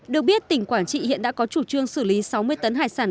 được biết tỉnh quảng trị hiện đã có chủ trương xử lý sáu mươi tấn hải sản